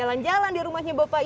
rendezvous ramadhan yang banyak